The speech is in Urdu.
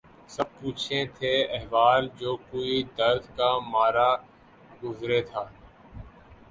سب پوچھیں تھے احوال جو کوئی درد کا مارا گزرے تھا